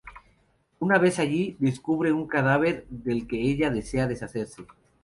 Una vez allí, ¡descubre un cadáver del que ella desea deshacerse!